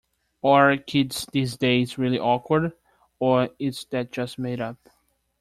Are kids these days really awkward or is that just made up?